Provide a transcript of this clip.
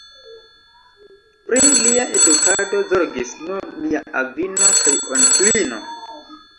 Pri lia edukado zorgis nur lia avino kaj onklino.